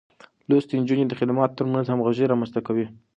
لوستې نجونې د خدمتونو ترمنځ همغږي رامنځته کوي.